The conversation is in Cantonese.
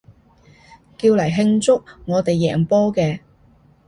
叫嚟慶祝我哋贏波嘅